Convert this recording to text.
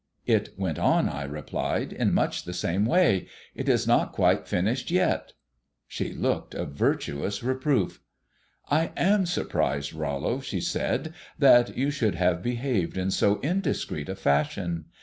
"It went on," I replied, "in much the same way. It is not quite finished yet." She looked a virtuous reproof. "I am surprised, Rollo," she said, "that you should have behaved in so indiscreet a fashion.